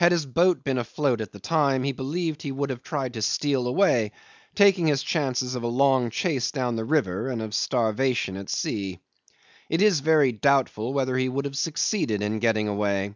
Had his boat been afloat at the time, he believed he would have tried to steal away, taking his chances of a long chase down the river and of starvation at sea. It is very doubtful whether he would have succeeded in getting away.